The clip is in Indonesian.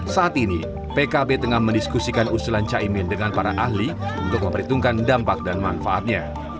saat ini pkb tengah mendiskusikan usulan caimin dengan para ahli untuk memperhitungkan dampak dan manfaatnya